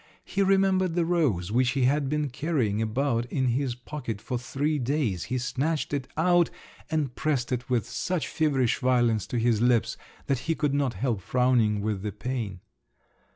He remembered the rose which he had been carrying about in his pocket for three days: he snatched it out, and pressed it with such feverish violence to his lips, that he could not help frowning with the pain.